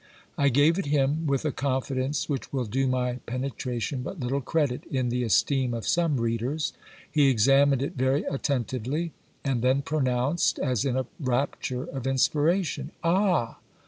I gave it him with a confidence which will do my penetration but little credit in the esteem of some readers. He examined it very attentively, and then pronounced, as in a rapture of inspiration : Ah